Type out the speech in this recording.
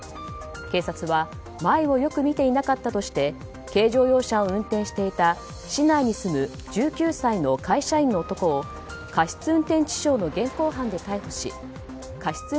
警察は前をよく見ていなかったとして軽乗用車を運転していた市内に住む１９歳の会社員の男を過失運転致傷の現行犯で逮捕し過失